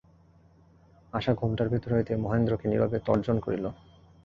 আশা ঘোমটার ভিতর হইতে মহেন্দ্রকে নীরবে তর্জন করিল।